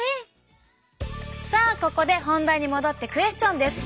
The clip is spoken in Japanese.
さあここで本題に戻ってクエスチョンです！